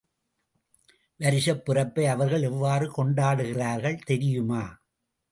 வருஷப் பிறப்பை அவர்கள் எவ்வாறு கொண்டாடுகிறார்கள் தெரியுமா!